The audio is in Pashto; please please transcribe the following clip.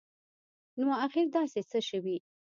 نو اخیر داسي څه شوي